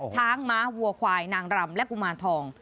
ช้างม้าวัวควายนางรำและกุมารทอง